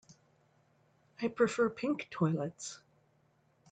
I prefer pink toilets.